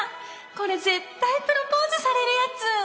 これ絶対プロポーズされるやつ！